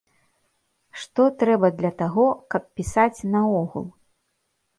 Што трэба для таго, каб пісаць наогул?